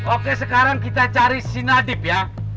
oke sekarang kita cari si nadif ya